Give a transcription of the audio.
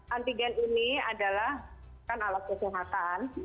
antigen ini adalah alat kesehatan